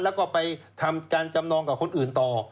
แล้วก็ไปทำการจำนองกับคนอื่นต่อ